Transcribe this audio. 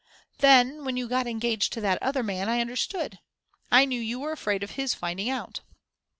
Then, when you got engaged to that other man, I understood I knew you were afraid of his finding it out.